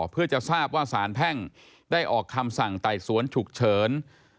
เพื่อจะทราบว่าสารแพ่งได้ออกคำสั่งไต่สวนฉุกเฉิน